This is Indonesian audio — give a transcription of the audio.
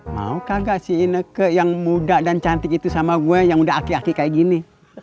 maukah gak sih ineke yang muda dan cantik itu sama gue yang udah aki aki kayak gini